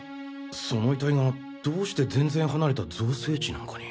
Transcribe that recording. その遺体がどうして全然離れた造成地なんかに。